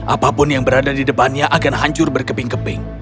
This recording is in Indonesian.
apapun yang berada di depannya akan hancur berkeping keping